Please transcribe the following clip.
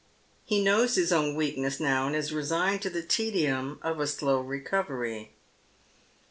He knows his own weakness now, and is resigned to the tedium of a slow recovery.